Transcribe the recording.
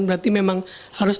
berarti memang harusnya